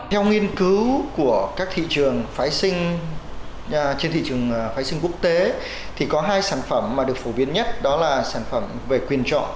theo nghiên cứu của các thị trường phái sinh trên thị trường phái sinh quốc tế thì có hai sản phẩm mà được phổ biến nhất đó là sản phẩm về quyền chọn